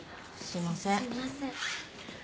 すいません。